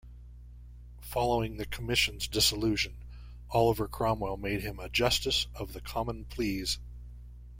Following the Commission's dissolution, Oliver Cromwell made him a Justice of the Common Pleas.